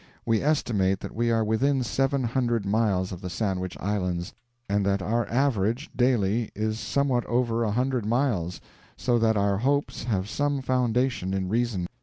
We estimate that we are within seven hundred miles of the Sandwich Islands, and that our average, daily, is somewhat over a hundred miles, so that our hopes have some foundation in reason.